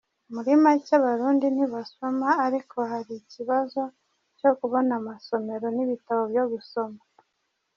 Muri make Abarundi ntibasoma, ariko hari ikibazo cyo kubona amasomero n’ibitabo byo gusoma.